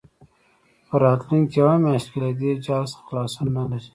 په راتلونکې یوه میاشت کې له دې جال څخه خلاصون نه لري.